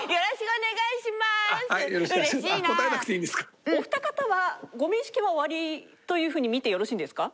お二方はご面識はおありという風に見てよろしいんですか？